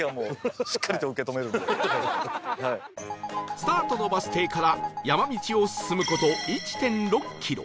スタートのバス停から山道を進む事 １．６ キロ